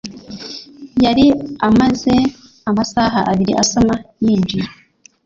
Yari amaze amasaha abiri asoma yinjiye